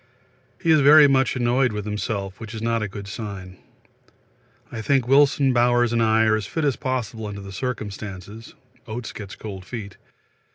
He is very much annoyed with himself, which is not a good sign. I think Wilson, Bowers and I are as fit as possible under the circumstances. Oates gets cold feet.